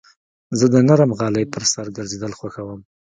زه د نرم غالۍ پر سر ګرځېدل خوښوم.